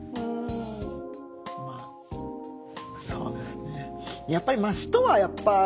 まあそうですね。